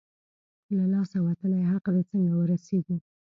له لاسه وتلی حق دی، څنګه ورسېږو؟